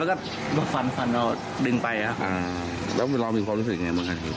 แล้วก็มาฟันฟันเราดึงไปครับอ่าแล้วเรามีความรู้สึกไงบ้างครับ